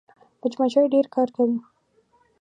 مچمچۍ ډېر کار کوي